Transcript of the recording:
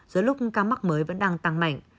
giữa lúc ca mắc mới vẫn đang tăng mạnh